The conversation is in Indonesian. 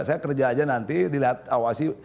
saya kerja aja nanti dilihat awasi